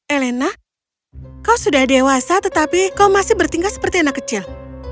elena kau sudah dewasa tetapi kau masih bertingkat seperti anak kecil